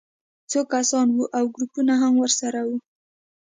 څو کسان وو او ګروپونه هم ورسره وو